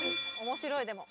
面白いでも。